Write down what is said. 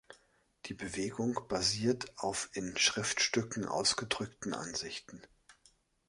Die Bewegung basiert auf in Schriftstücken ausgedrückten Ansichten.